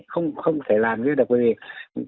không thể làm như được gì